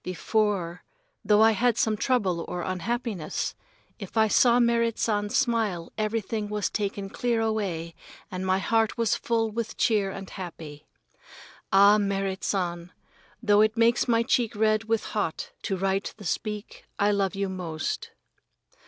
Before, though I had some trouble or unhappiness, if I saw Merrit San's smile everything was taken clear away and my heart was full with cheer and happy. Ah, Merrit San, though it makes my cheek red with hot to write the speak, I love you most.